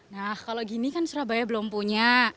nah kalau gini kan surabaya belum punya